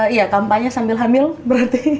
iya kampanye sambil hamil berarti